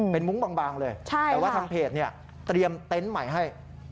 เป็นมุ้งบางเลยแต่ว่าทางเพจเนี่ยเตรียมเต็นต์ใหม่ให้